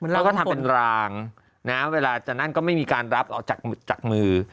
แล้วก็ทำเป็นรางนะเวลาจะนั่นก็ไม่มีการรับออกจากมือ